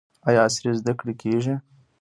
آیا عصري زده کړې کیږي؟